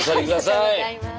ありがとうございます。